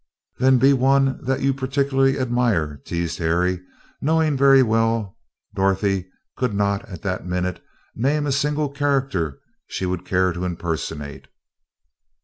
"Then be one that you particularly admire," teased Harry, knowing very well Dorothy could not, at that minute, name a single character she would care to impersonate.